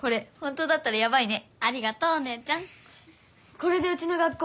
これでうちの学校